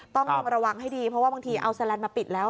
ต้องระวังให้ดีเพราะว่าบางทีเอาแลนด์มาปิดแล้ว